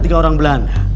ada tiga orang belanda